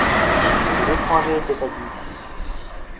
Les étrangers étaient admissibles.